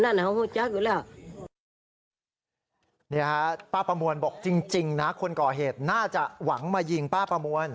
นี่ฮะป้าประมวลบอกจริงนะคนก่อเหตุน่าจะหวังมายิงป้าประมวล